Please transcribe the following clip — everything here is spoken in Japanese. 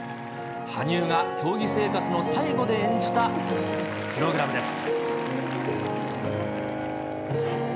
羽生が競技生活の最後で演じたプログラムです。